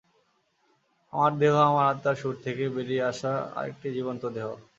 আমার দেহ আমার আত্মার সুর থেকে বেরিয়ে আসা আরেকটি জীবন্ত দেহ।